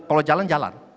kalau jalan jalan